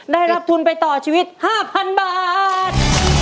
ได้รับทุนไปต่อชีวิต๕๐๐๐บาท